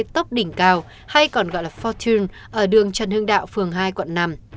tốc đỉnh cao hay còn gọi là fortune ở đường trần hưng đạo phường hai quận năm